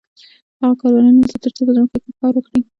هغه کارګران نیسي تر څو په ځمکو کې کار وکړي